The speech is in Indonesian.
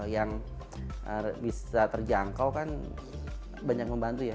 yang bisa terjangkau kan banyak membantu ya